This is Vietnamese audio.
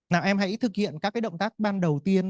là em hãy thực hiện các cái động tác ban đầu tiên